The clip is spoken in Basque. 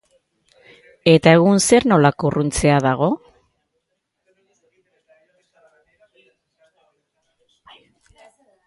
Eta egun zer nolako urruntzea dago?